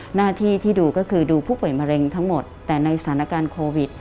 หน้าที่ที่ดูก็คือดูผู้ป่วยมะเร็งทั้งหมดแต่ในสถานการณ์โควิด